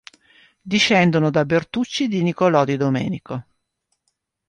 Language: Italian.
Discendono da Bertucci di Niccolò di Domenico.